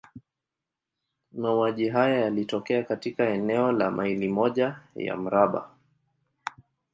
Mauaji haya yalitokea katika eneo la maili moja ya mraba.